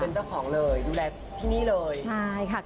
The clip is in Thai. ใช่ค่ะ